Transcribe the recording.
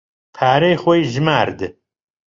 پارەی خۆی ژمارد.